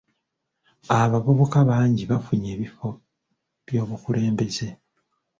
Abavubuka bangi bafunye ebifo by'obukulembeze.